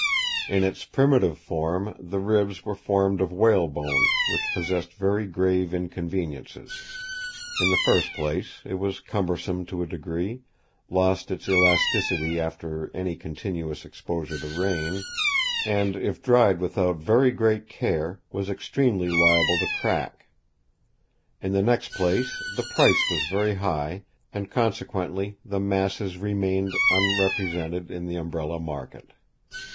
In its primitive form the ribs were formed of whalebone, which possessed very grave inconveniences; in the first place, it was cumbersome to a degree, lost its elasticity after any continuous exposure to rain, and if dried without very great care, was extremely liable to crack. In the next place, the price was very high, and, consequently, the masses remained unrepresented in the Umbrella market.